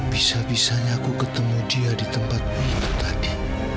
bisa bisanya aku ketemu dia di tempat itu tadi